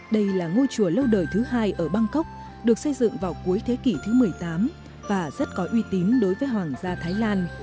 đây là ngôi chùa lâu đời thứ hai ở bangkok được xây dựng vào cuối thế kỷ thứ một mươi tám và rất có uy tín đối với hoàng gia thái lan